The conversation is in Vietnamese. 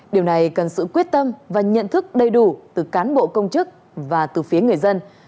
điều này cần sự quyết tâm và nhận thức đầy đủ từ cán bộ công chức và từ phía người dân